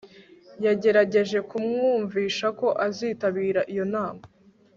yagerageje kumwumvisha ko azitabira iyo nama